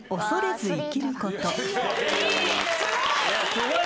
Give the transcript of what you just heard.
すごい！